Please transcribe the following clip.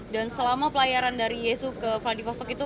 dan selama pelayaran dari yesus ke vladivostok itu